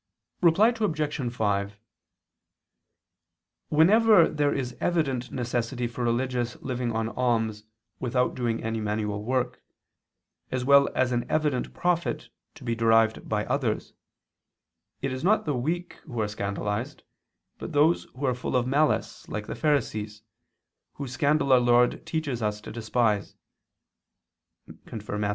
Reply Obj. 5: Whenever there is evident necessity for religious living on alms without doing any manual work, as well as an evident profit to be derived by others, it is not the weak who are scandalized, but those who are full of malice like the Pharisees, whose scandal our Lord teaches us to despise (Matt.